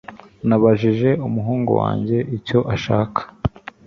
Nabajije umuhungu wanjye icyo ashaka